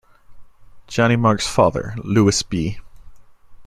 Johnny Marks's father, Louis B.